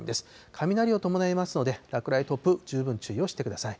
雷を伴いますので、落雷、突風、十分注意をしてください。